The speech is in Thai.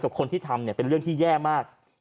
กับคนที่ทำเป็นเรื่องที่แย่มาก